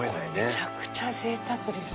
めちゃくちゃぜいたくです。